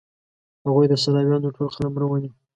هغوی د سلاویانو ټول قلمرو ونیو.